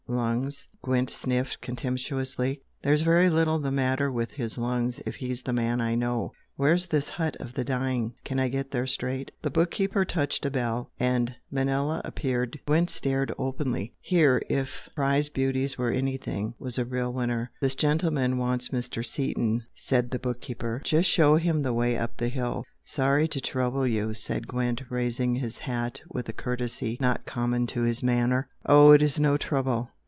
Lungs?" Gwent sniffed contemptuously. "There's very little the matter with his lungs if he's the man I know! Where's this hut of the dying? Can I get there straight?" The bookkeeper touched a bell, and Manella appeared. Gwent stared openly. Here if "prize beauties" were anything was a real winner! "This gentleman wants Mr. Seaton" said the bookkeeper "Just show him the way up the hill." "Sorry to trouble you!" said Gwent, raising his hat with a courtesy not common to his manner. "Oh, it is no trouble!"